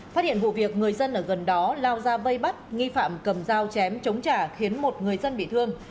phát hiện vụ việc người dân ở gần đó lao ra vây bắt nghi phạm cầm dao chém chống trả khiến một người dân bị thương